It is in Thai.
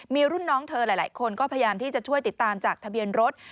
มีรุ่นน้องเธอหลายคนก็พยายามที่จะช่วยติดตามจากทะเบียนรถ